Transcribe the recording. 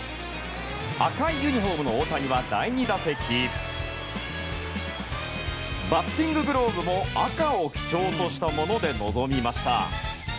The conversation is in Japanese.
赤いユニホームの大谷は第２打席バッティンググローブも赤を基調としたもので臨みました。